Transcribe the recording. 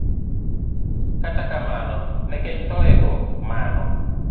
Kata kamano, nikech thoye go, mano